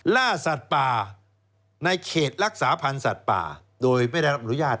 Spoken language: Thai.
ล่าสัตว์ป่าในเขตรักษาพันธ์สัตว์ป่าโดยไม่ได้รับอนุญาต